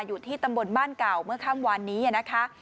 อยู่ที่ตำบลบ้านเก่าเมื่อค่ำวานนี้นะคะ